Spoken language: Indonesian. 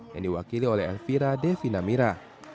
yang diwakili oleh elvira devina mira